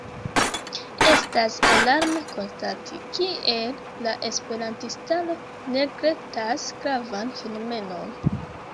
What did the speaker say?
Estas alarme konstati, kiel la esperantistaro neglektas gravan fenomenon.